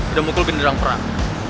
udah mukul benderang perang